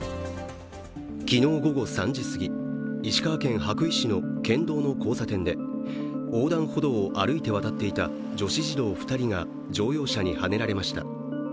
昨日午後３時過ぎ、石川県羽咋市の県道の交差点で横断歩道を歩いて渡っていた女子児童２人が乗用車にはねられました。